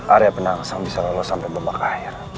area penangsam bisa lolos sampai bembak air